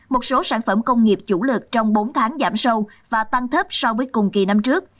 một số sản phẩm công nghiệp chủ lực trong bốn tháng giảm sâu và tăng thấp so với cùng kỳ năm trước